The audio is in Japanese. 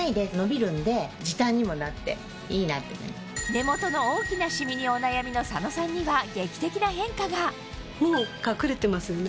目元の大きなシミにお悩みの佐野さんには劇的な変化が隠れてますね。